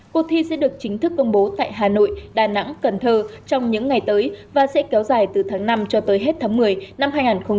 cuộc thi sẽ được chính thức công bố tại hà nội đà nẵng cần thơ trong những ngày tới và sẽ kéo dài từ tháng năm cho tới hết tháng một mươi năm hai nghìn hai mươi